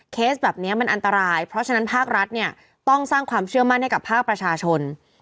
เคสแบบนี้มันอันตรายเพราะฉะนั้นภาครัฐเนี่ยต้องสร้างความเชื่อมั่นให้กับภาคประชาชน